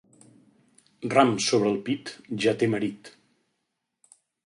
Ram sobre el pit, ja té marit.